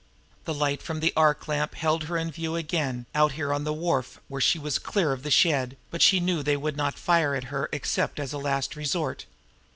The light from the arc lamp held her in view again out here on the wharf where she was clear of the shed; but she knew they would not fire at her except as a last resort.